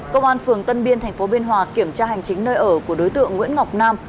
công an tp biên hòa kiểm tra hành chính nơi ở của đối tượng nguyễn ngọc nam